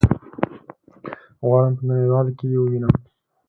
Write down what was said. غواړم په نړيوالو کي يي ووينم